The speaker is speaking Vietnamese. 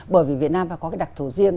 bởi vì việt nam phải có cái đặc thủ riêng